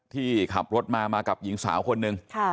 ที่ขับรถมามากับหญิงสาวคนหนึ่ง